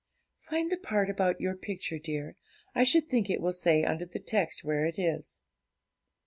'Find the part about your picture, dear; I should think it will say under the text where it is.'